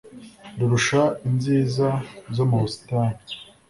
rurusha inziza zo mu busitani